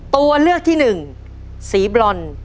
ตัวเลือกที่๑สีบรอน